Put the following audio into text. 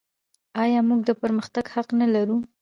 آیا موږ د پرمختګ حق نلرو؟